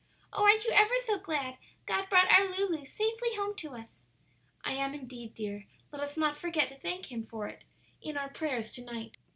"Oh, aren't you ever so glad God brought our Lulu safely home to us?" "I am indeed, dear; let us not forget to thank Him for it in our prayers to night."